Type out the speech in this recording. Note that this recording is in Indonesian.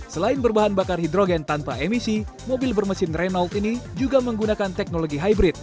selain berbahan bakar hidrogen tanpa emisi mobil bermesin reynold ini juga menggunakan teknologi hybrid